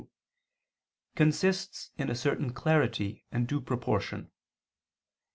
2), consists in a certain clarity and due proportion.